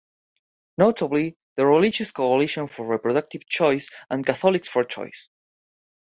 Notably, the Religious Coalition for Reproductive Choice and Catholics for Choice.